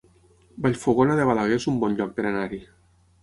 Vallfogona de Balaguer es un bon lloc per anar-hi